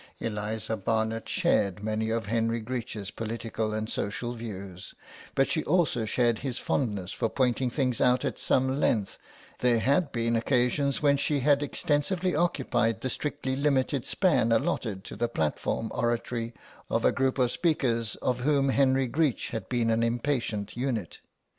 Eliza Barnet shared many of Henry Greech's political and social views, but she also shared his fondness for pointing things out at some length; there had been occasions when she had extensively occupied the strictly limited span allotted to the platform oratory of a group of speakers of whom Henry Greech had been an impatient unit.